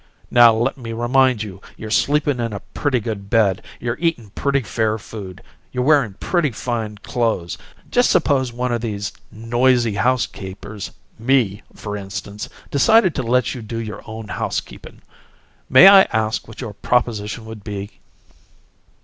Now, let me remind you: you're sleepin' in a pretty good bed; you're eatin' pretty fair food; you're wearin' pretty fine clothes. Just suppose one o' these noisy housekeepers me, for instance decided to let you do your own housekeepin'. May I ask what your proposition would be?"